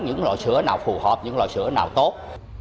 những loại sữa nào phù hợp những loại sữa nào tốt